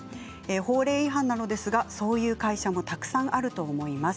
法令違反なのですがそういう会社もたくさんあると思います。